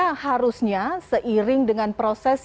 seharusnya seiring dengan proses